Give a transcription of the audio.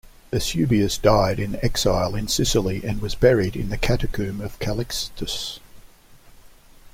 Eusebius died in exile in Sicily and was buried in the catacomb of Callixtus.